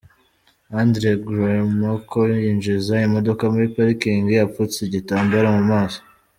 Andre Gromyko yinjiza imodoka muri parking apfutse igitambaro mu maso.